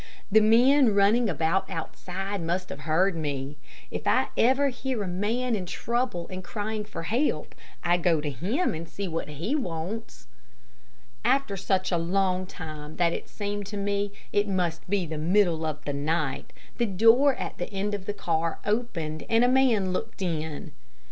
The men running about outside must have heard me. If ever I hear a man in trouble and crying for help I go to him and see what he wants. After such a long time that it seemed to me it must be the middle of the night, the door at the end of the car opened, and a man looked in.